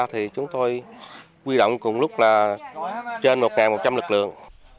thì chúng tôi quy động cùng lúc là trên một một trăm linh lực lượng